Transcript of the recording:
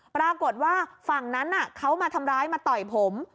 ปรากฏว่าฝั่งนั้นเขามาทำร้ายมาต่อยผม